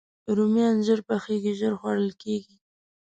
رومیان ژر پخېږي، ژر خوړل کېږي